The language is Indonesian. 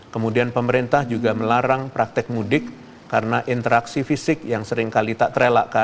kemudian pemerintah juga melarang praktek mudik karena interaksi fisik yang seringkali tak terelakkan